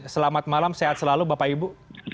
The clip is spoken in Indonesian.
selamat malam sehat selalu bapak ibu